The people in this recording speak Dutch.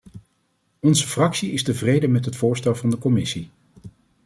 Onze fractie is tevreden met het voorstel van de commissie.